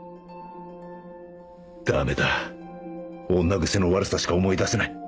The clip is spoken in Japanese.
ダメだ女癖の悪さしか思い出せない